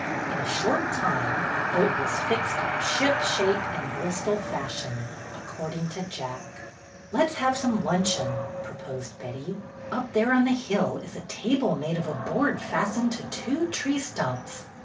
In a short time the boat was fixed up "ship shape and Bristol fashion," according to Jack. "Let 's have some luncheon," proposed Betty. "Up there on the hill is a table made of a board fastened to two tree stumps.